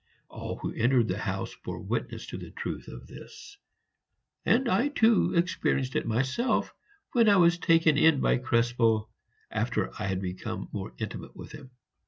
All who entered the house bore witness to the truth of this; and I too experienced it myself when I was taken in by Krespel after I had become more intimate with him.